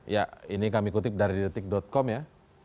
ya ini kami kutip dari detik com ya